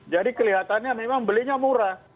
jadi kelihatannya memang belinya murah